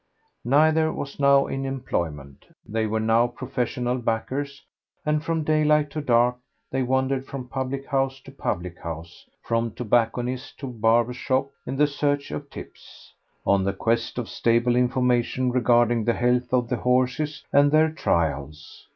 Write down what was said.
Neither was now in employment; they were now professional backers; and from daylight to dark they wandered from public house to public house, from tobacconist to barber's shop, in the search of tips, on the quest of stable information regarding the health of the horses and their trials.